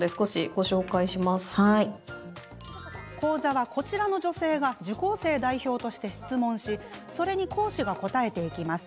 講座は、こちらの女性が受講生代表として質問してそれに講師が答えていきます。